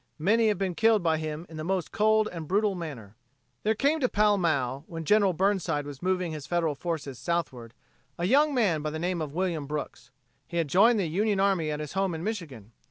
Many have been killed by him in the most cold and brutal manner." There came to Pall Mall, when General Burnside was moving his Federal forces southward, a young man by the name of William Brooks. He had joined the Union Army at his home in Michigan.